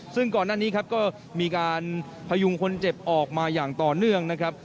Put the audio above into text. ซึ่งก่อนหน้านี้ครับก็มีการพยุงคนเจ็บออกมาอย่างต่อเนื่องนะครับ